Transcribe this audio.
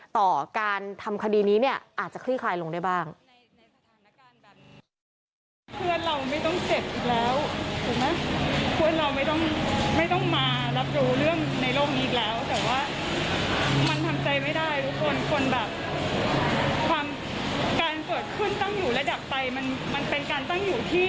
ต่อการทำคดีนี้เนี่ยอาจจะคลี่คลายลงได้บ้าง